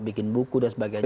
bikin buku dan sebagainya